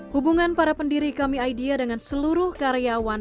hubungan para pendiri kami idea dengan seluruh karyawan